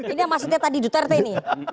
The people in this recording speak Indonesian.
ini yang maksudnya tadi duterte ini